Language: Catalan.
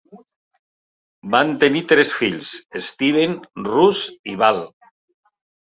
Van tenir tres fills: Steven, Russ i Val.